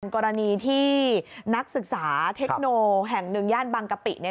กรณีที่นักศึกษาเทคโนแห่งหนึ่งย่านบางกะปิ